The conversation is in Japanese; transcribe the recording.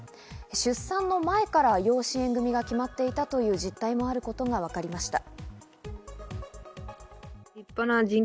出産の前から養子縁組が決まっていたという実態もあることがわかりました。